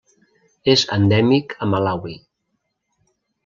És endèmic de Malawi.